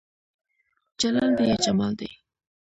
جلال دى يا جمال دى